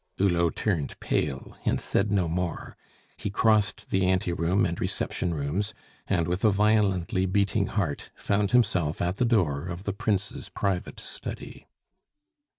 Hulot turned pale, and said no more; he crossed the anteroom and reception rooms, and, with a violently beating heart, found himself at the door of the Prince's private study.